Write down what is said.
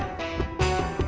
ini mbak mbak ketinggalan